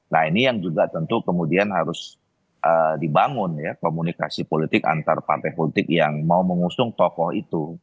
nah ini yang juga tentu kemudian harus dibangun ya komunikasi politik antar partai politik yang mau mengusung tokoh itu